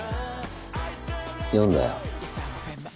読んだよ。